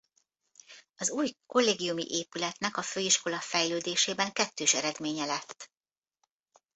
Az új kollégiumi épületnek a főiskola fejlődésében kettős eredménye lett.